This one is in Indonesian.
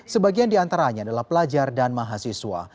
sebagian di antaranya adalah pelajar dan mahasiswa